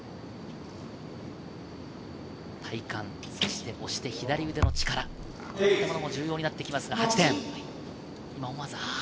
体幹、そして押し手、左腕の力、そういったものが重要になってきますが、８点。